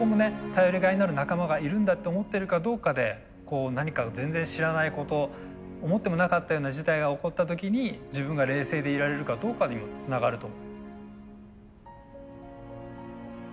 頼りがいのある仲間がいるんだって思ってるかどうかでこう何か全然知らないこと思ってもなかったような事態が起こった時に自分が冷静でいられるかどうかにもつながると思う。